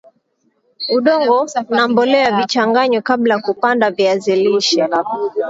udongo na mbolea vichanganywe kabla kupanda viazi lishe